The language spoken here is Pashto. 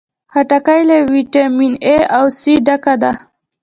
خټکی له ویټامین A او C ډکه ده.